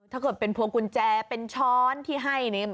ถ้าเกิดเป็นพวงกุญแจเป็นช้อนที่ให้นี่